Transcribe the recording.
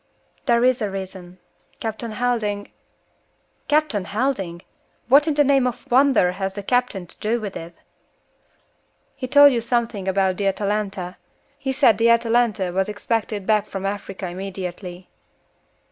"There is a reason. Captain Helding " "Captain Helding! What in the name of wonder has the captain to do with it?" "He told you something about the Atalanta. He said the Atalanta was expected back from Africa immediately."